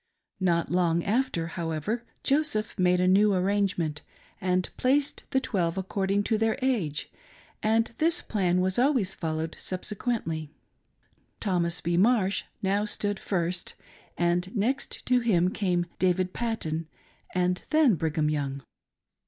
Not long after, however, Joseph made a new ar rangement, and placed the Twelve according to their age, and this plan was always followed subsequently. Thomas B. Marsh now stood first, and next to him came David Patten, and then Brigham Young.